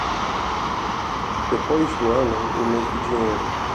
Depois do ano, o mesmo dinheiro.